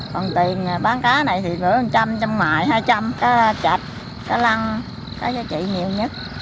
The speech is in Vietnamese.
còn tiền bán cá này thì gửi một trăm trăm ngoại hai trăm cá chạch cá lăng cá giá trị nhiều nhất